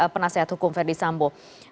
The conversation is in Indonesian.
penasehat hukum verdi sambo